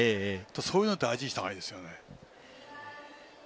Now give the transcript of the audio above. そういうのは大事にしたほうがいいです。